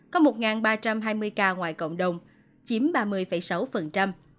có một ba trăm hai mươi ca ngoài cộng đồng chiếm ba mươi sáu